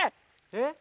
えっ？